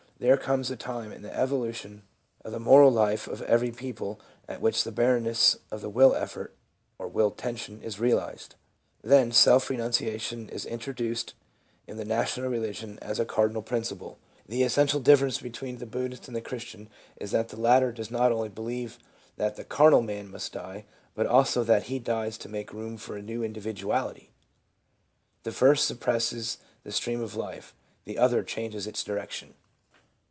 There comes a time in the evolution of the moral life of every people at which the barrenness of the will effort (or will tension) is realized ; then self renunciation is introduced in the national religion as a cardinal principle. The essential difference between the PSYCHOLOGY OP RELIGIOUS PHENOMENA. 369 Buddhist and the Christian is that the latter does not only believe that the carnal man must die, but also that he dies to make room for a new individuality. The first suppresses the stream of life, the other changes its direction.